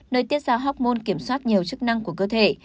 nơi tiết giao học môn kiểm soát nhiều chức năng của cơ thể